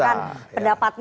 jadi kita harus berhenti